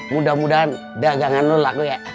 mudah mudahan dagangan lo laku ya